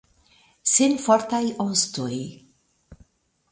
Senfortaj ostoj!